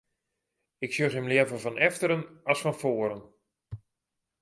Ik sjoch him leaver fan efteren as fan foaren.